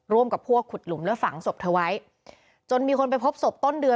ร่วมกับพวกขุดหลุมและฝังศพเธอไว้จนมีคนไปพบศพต้นเดือน